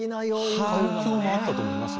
環境もあったと思います。